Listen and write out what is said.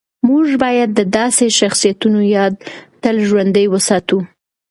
موږ باید د داسې شخصیتونو یاد تل ژوندی وساتو.